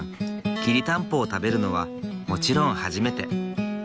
きりたんぽを食べるのはもちろん初めて。